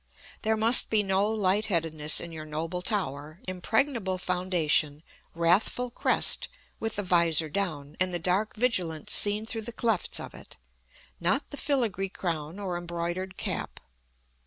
There must be no light headedness in your noble tower: impregnable foundation, wrathful crest, with the vizor down, and the dark vigilance seen through the clefts of it; not the filigree crown or embroidered cap.